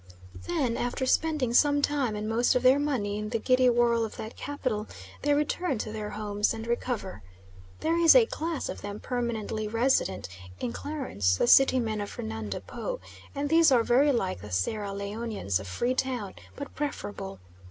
Then, after spending some time and most of their money in the giddy whirl of that capital, they return to their homes and recover. There is a class of them permanently resident in Clarence, the city men of Fernando Po, and these are very like the Sierra Leonians of Free Town, but preferable.